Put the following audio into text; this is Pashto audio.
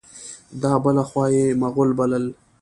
دا بله خوا یې مغل بلل.